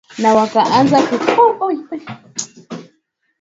na wakaanza kuwasilisha sheria hizo hizo kwa walioshindwa